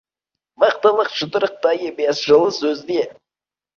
Мықтылық жұдырықта емес, жылы сөзде.